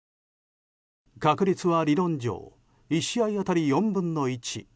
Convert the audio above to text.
確率は理論上１試合当たり４分の１。